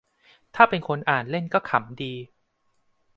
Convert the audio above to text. ถ้าเป็นคนอ่านเล่นก็ขำดี